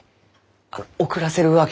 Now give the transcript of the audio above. あの遅らせるわけには？